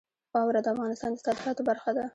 واوره د افغانستان د صادراتو برخه ده.